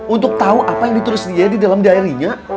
untuk tahu apa yang ditulis dia di dalam dirinya